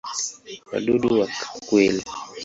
Wadudu wa kweli.